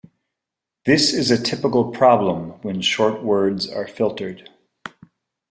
This is a typical problem when short words are filtered.